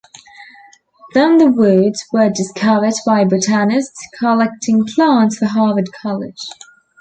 Then the woods were discovered by botanists collecting plants for Harvard College.